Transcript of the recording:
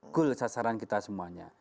goal sasaran kita semuanya